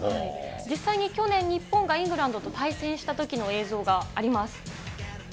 実際に去年日本がイングランドと対戦したときの映像があります。